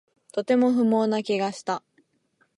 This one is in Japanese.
とても不毛な気がした